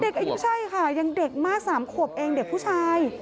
๓ขวบใช่ค่ะยังเด็กมา๓ขวบเองเด็กชาย